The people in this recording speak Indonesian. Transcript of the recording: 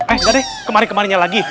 eh enggak deh kemarin kemarinnya lagi